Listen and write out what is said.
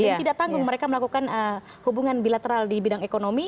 dan tidak tanggung mereka melakukan hubungan bilateral di bidang ekonomi